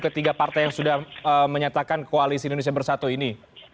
ketiga partai yang sudah menyatakan koalisi indonesia bersatu ini